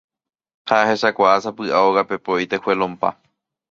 ha ahechakuaa sapy'a óga pepo itejuelonpa